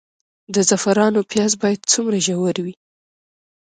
د زعفرانو پیاز باید څومره ژور وي؟